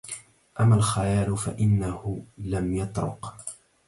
أما الخيال فإنه لم يطرق